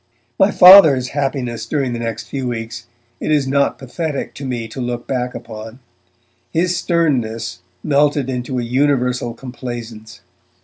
My Father's happiness during the next few weeks it is not pathetic to me to look back upon. His sternness melted into a universal complaisance.